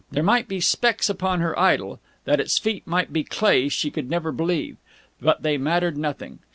There might be specks upon her idol that its feet might be clay she could never believe but they mattered nothing.